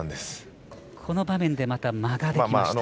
この場面でまた間ができました。